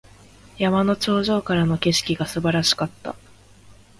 山の頂上からの景色が素晴らしかった。